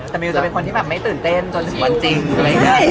แต่มิวจะเป็นคนที่แบบไม่ตื่นเต้นจนชินวันจริง